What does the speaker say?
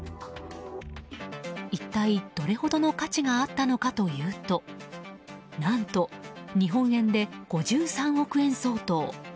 一体どれほどの価値があったのかというと何と日本円で５３億円相当。